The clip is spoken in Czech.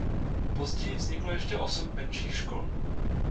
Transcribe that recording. Později vzniklo ještě osm menších škol.